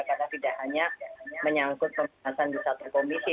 karena tidak hanya menyangkut pembahasan di satu komisi